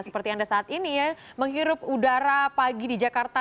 seperti anda saat ini ya menghirup udara pagi di jakarta